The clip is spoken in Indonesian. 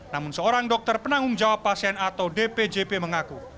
namun seorang dokter penanggung jawab pasien atau dpjp mengaku